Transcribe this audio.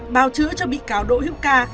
báo chữa cho bị cáo đỗ hiệu ca